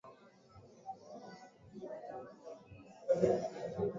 Wanajeshi wa Marekani wasiozidi mia tano wameidhinishwa